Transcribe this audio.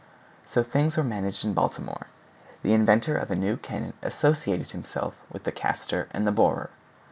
So things were managed in Baltimore. The inventor of a new cannon associated himself with the caster and the borer.